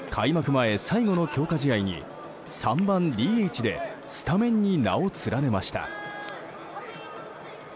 前最後の強化試合に３番、ＤＨでスタメンに名を連ねました。